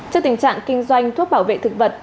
trước tình trạng kinh doanh thuốc bảo vệ thực vật